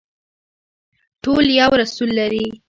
ټول یو رسول لري